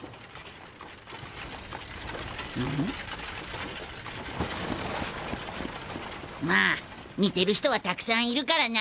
うん？まあ似てる人はたくさんいるからな。